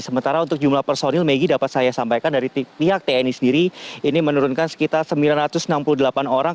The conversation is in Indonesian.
sementara untuk jumlah personil megi dapat saya sampaikan dari pihak tni sendiri ini menurunkan sekitar sembilan ratus enam puluh delapan orang